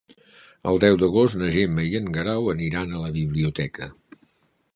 El deu d'agost na Gemma i en Guerau aniran a la biblioteca.